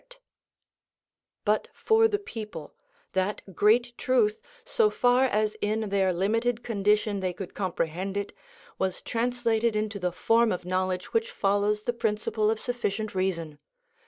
(77) But for the people, that great truth, so far as in their limited condition they could comprehend it, was translated into the form of knowledge which follows the principle of sufficient reason.